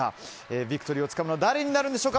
ビクトリーをつかむのは誰になるんでしょうか。